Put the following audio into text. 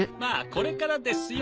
これからですよ。